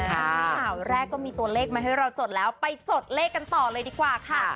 ข่าวแรกก็มีตัวเลขมาให้เราจดแล้วไปจดเลขกันต่อเลยดีกว่าค่ะ